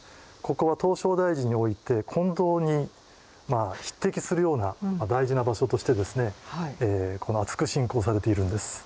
ここは唐招提寺において金堂に匹敵するような大事な場所としてですね厚く信仰されているんです。